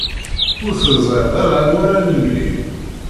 Ur teẓṛiḍ ara anwa ara d-nemlil.